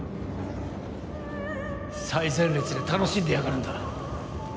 最前列で楽しんでやがるんだ。